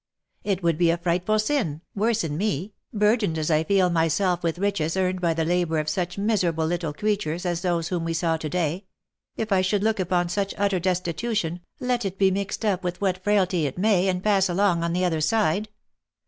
It would be a frightful sin — worse in me, burdened as I feel myself with riches earned by the labour of such miserable little creatures as those whom we saw to day — if I should look upon such utter destitution, let it be mixed up with what frailty it may, and pass along on the other side.